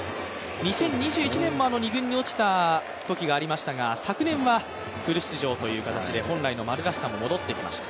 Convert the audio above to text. ２０２１年も２軍に落ちたときがありましたが昨年はフル出場という形で本来の丸らしさも戻ってきました。